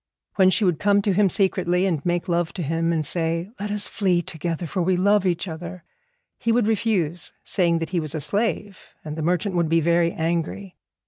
When she would come to him secretly and make love to him, and say, 'Let us flee together, for we love each other,' he would refuse, saying that he was a slave, and the merchant would be very angry.